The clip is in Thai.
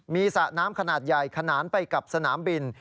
มีสระน้ำขนาดใหญ่ขนานไปกับสนามบิน